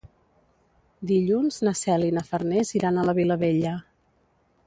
Dilluns na Cel i na Farners iran a la Vilavella.